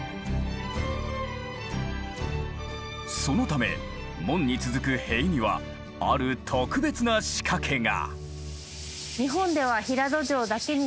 そのため門に続く塀にはある特別な仕掛けが。